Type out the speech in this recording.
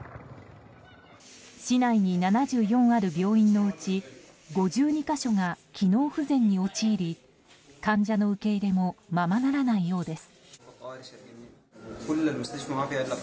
市内に７４ある病院のうち５２か所が機能不全に陥り患者の受け入れもままならないようです。